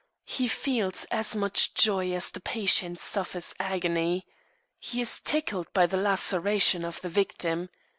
He feels as much joy as the patient suffers agony. He is tickled by the laceration of the victim.